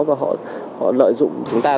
và họ lấy được các thông tin đó